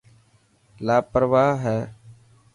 لاپرواهه هي.